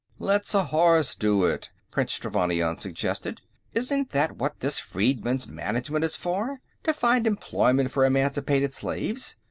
"Let Zhorzh do it," Prince Trevannion suggested. "Isn't that what this Freedmen's Management is for; to find employment for emancipated slaves?